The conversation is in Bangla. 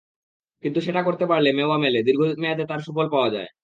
কিন্তু সেটা করতে পারলে মেওয়া মেলে, দীর্ঘ মেয়াদে তার সুফল পাওয়া যায়।